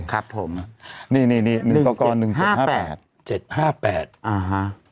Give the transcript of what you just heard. ครับผมนี่นี่หนึ่งกอหนึ่งเจ็ดห้าแปดเจ็ดห้าแปดอ่าฮะ